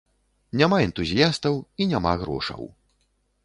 Няма энтузіястаў, і няма грошаў.